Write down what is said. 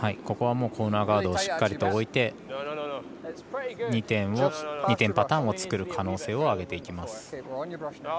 ここはコーナーガードをしっかりと置いて２点パターンを作る可能性をあげていきます。